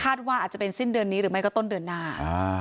ว่าอาจจะเป็นสิ้นเดือนนี้หรือไม่ก็ต้นเดือนหน้า